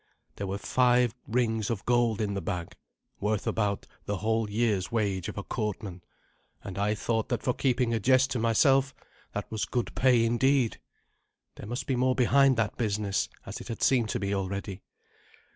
There were five rings of gold in the bag, worth about the whole year's wage of a courtman, and I thought that for keeping a jest to myself that was good pay indeed. There must be more behind that business, as it had seemed to me already.